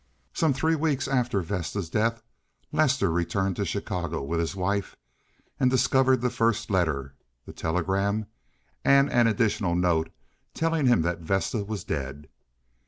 Some three weeks after Vesta's death Lester returned to Chicago with his wife, and discovered the first letter, the telegram, and an additional note telling him that Vesta was dead.